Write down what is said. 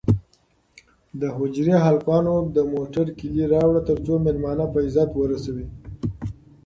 د حجرې هلکانو د موټر کیلي راوړه ترڅو مېلمانه په عزت ورسوي.